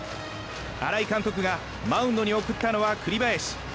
新井監督がマウンドに送ったのは栗林。